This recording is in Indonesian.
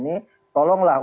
dari sepak bola kita